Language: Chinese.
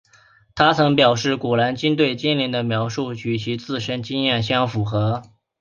她曾表示古兰经对精灵的描述与其自身经验相符合。